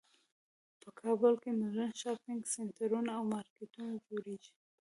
په کابل کې مدرن شاپینګ سینټرونه او مارکیټونه جوړیږی